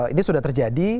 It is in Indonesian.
ini sudah terjadi